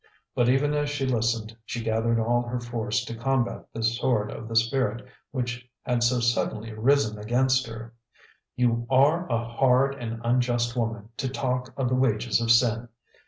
But even as she listened, she gathered all her force to combat this sword of the spirit which had so suddenly risen against her. "You are a hard and unjust woman, to talk of the 'wages of sin.'